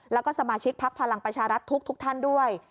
แล้วก็สมาชิกภักดิ์พลักษณ์ภารังประชารัฐทุกท่านด้วย